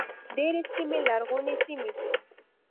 ډېرې سیمې لرغونې سیمې دي.